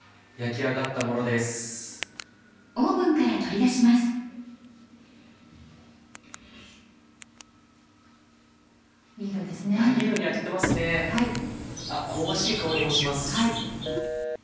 あっ香ばしい香りもします。